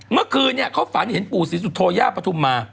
เมื่อคืนเนี่ยเขาฝันเห็นปู่ศรีสุโธย่าปฐุมมา